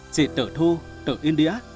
chị tự thu tự in đĩa